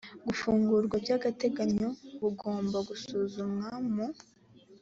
gufungura by agateganyo bugomba gusuzumwa mu